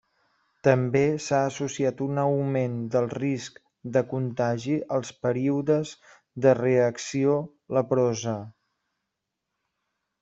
També s'ha associat un augment del risc de contagi als períodes de reacció leprosa.